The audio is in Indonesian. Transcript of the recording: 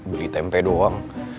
beli tempe doang